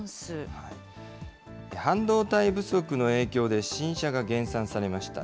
半導体不足の影響で、新車が減産されました。